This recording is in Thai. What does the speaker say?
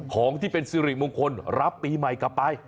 ของที่เป็นสิริมงคลรับปีใหม่กลับไป